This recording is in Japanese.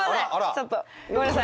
ちょっとごめんなさい！